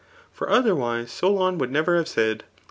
For otherwise Solon would never have said.